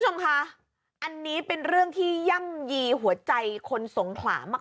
คุณผู้ชมคะอันนี้เป็นเรื่องที่ย่ำยีหัวใจคนสงขลามาก